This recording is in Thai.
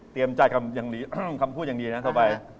เตรียมจ่ายคำพูดอย่างดีนะโทรไป